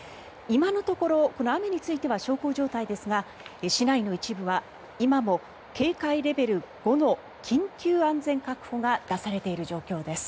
今のところこの雨については小康状態ですが市内の一部は今も警戒レベル５の緊急安全確保が出されている状況です。